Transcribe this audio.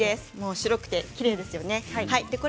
白くてきれいですよね。